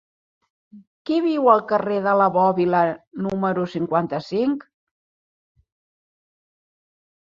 Qui viu al carrer de la Bòbila número cinquanta-cinc?